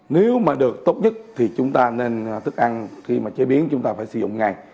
nếu mà được tốt nhất thì chúng ta nên thức ăn khi mà chế biến chúng ta phải sử dụng ngay